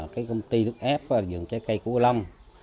cái công ty nước ép dưỡng trái cây của lâm